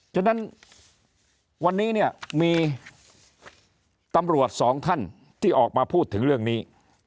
ฉะนั้นวันนี้เนี่ยมีตำรวจสองท่านที่ออกมาพูดถึงเรื่องนี้